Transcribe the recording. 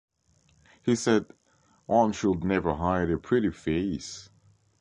He said: One should never hide a pretty face.